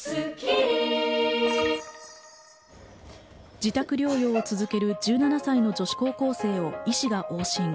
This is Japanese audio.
自宅療養を続ける１７歳の女子高校生を医師が往診。